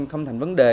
không thành vấn đề